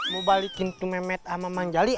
mau balikin tuh memet sama manjali